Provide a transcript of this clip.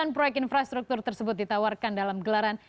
sembilan proyek infrastruktur tersebut ditawarkan dalam gelaran